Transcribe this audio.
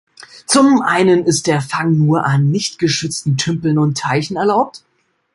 Zum einen ist der Fang nur an nicht geschützten Tümpeln und Teichen erlaubt.